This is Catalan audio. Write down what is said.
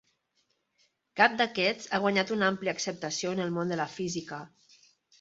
Cap d'aquests ha guanyat una àmplia acceptació en el món de la física.